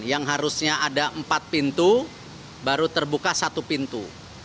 yang harusnya ada empat pintu baru terbuka satu pintu